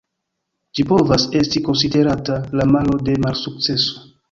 Ĝi povas esti konsiderata la malo de malsukceso.